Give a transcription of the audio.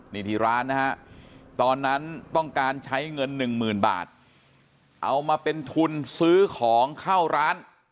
นี่ที่ร้านนะฮะตอนนั้นต้องการใช้เงินหนึ่งหมื่นบาทเอามาเป็นทุนซื้อของเข้าร้าน